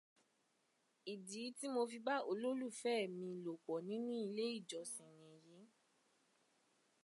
Ìdí tí mo fi bá olólùfẹ́ mi lòpọ̀ nínú ilé ìjọ́sìn nìyí